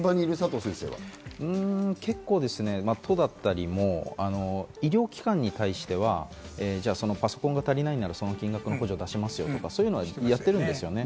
東京都だったりも医療機関に対してはパソコンが足りないならその金額の補助を出しますよとか、そういうのをやってるんですよね。